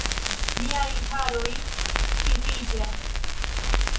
Miaj haroj hirtiĝas!